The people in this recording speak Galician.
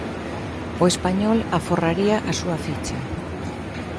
O Español aforraría a súa ficha.